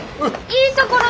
いいところ？